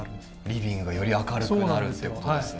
リビングがより明るくなるって事ですね。